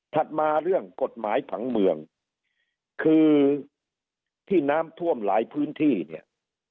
มาเรื่องกฎหมายผังเมืองคือที่น้ำท่วมหลายพื้นที่เนี่ย